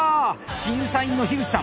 審査員の口さん